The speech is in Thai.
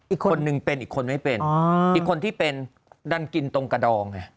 อีกคนนึงเป็นอีกคนไม่เป็นอีกคนที่เป็นดันกินตรงกระดองไง